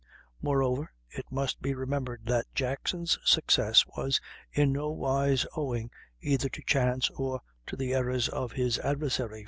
Moreover, it must be remembered that Jackson's success was in no wise owing either to chance or to the errors of his adversary.